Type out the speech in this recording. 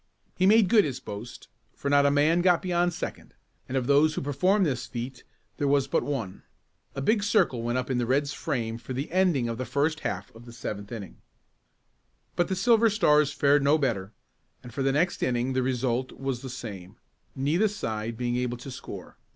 He made good his boast, for not a man got beyond second, and of those who performed this feat there was but one. A big circle went up in the Red's frame for the ending of the first half of the seventh inning. But the Silver Stars fared no better, and for the next inning the result was the same, neither side being able to score.